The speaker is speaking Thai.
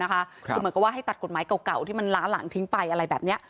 คือเหมือนกับว่าให้ตัดกฎหมายเก่าที่มันล้าหลังทิ้งไปอะไรแบบนี้